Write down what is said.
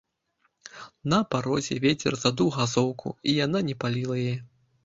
На парозе вецер задуў газоўку, і яна не паліла яе.